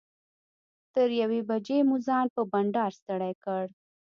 تر یوې بجې مو ځان په بنډار ستړی کړ.